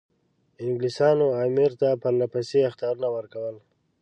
انګلیسانو امیر ته پرله پسې اخطارونه ورکول.